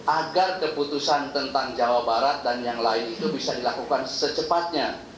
agar keputusan tentang jawa barat dan yang lain itu bisa dilakukan secepatnya